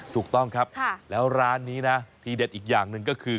ถูกต้องครับแล้วร้านนี้นะทีเด็ดอีกอย่างหนึ่งก็คือ